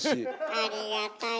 ありがたい。